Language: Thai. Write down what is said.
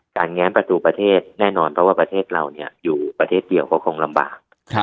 แง้มประตูประเทศแน่นอนเพราะว่าประเทศเราอยู่ประเทศเดียวก็คงลำบาก